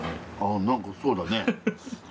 あ何かそうだね。